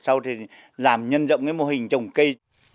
sau thì làm nhân rộng cái mô hình trồng cây